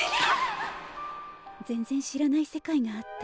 全然知らない世界があった。